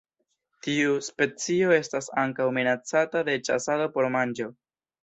Tiu specio estas ankaŭ minacata de ĉasado por manĝo.